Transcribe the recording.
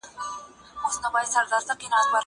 لاس مينځه!!